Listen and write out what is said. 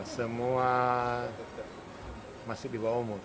semua masih di bawah umur